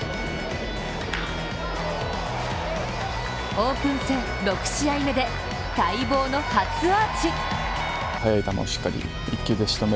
オープン戦６試合目で、待望の初アーチ。